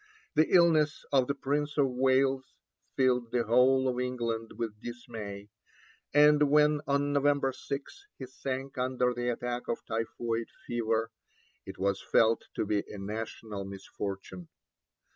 The illness of the Prince of Wales filled the whole of England with dismay, and when, on November 6, he sank under the attack of typhoid fever, it was felt to be a national misfortune.